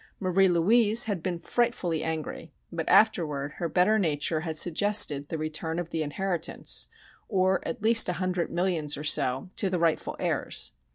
Marie Louise had been frightfully angry, but afterward her better nature had suggested the return of the inheritance, or at least a hundred millions or so, to the rightful heirs.